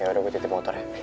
yaudah gue titip motor ya